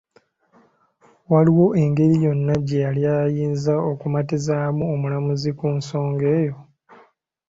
Waaliwo ngeri yonna gye yali ayinza kumatizaamu omulamuzi ku nsonga eyo?